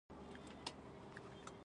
آیا دوی د امازون په څیر کار نه کوي؟